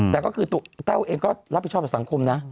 แต่ก็คือเต้าเองก็รับผิดชอบสังคมนะ